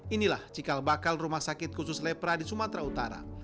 inilah cikal bakal rumah sakit khusus lepra di sumatera utara